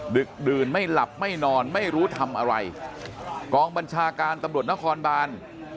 ดึกดื่นไม่หลับไม่นอนไม่รู้ทำอะไรกองบัญชาการตำรวจนครบาน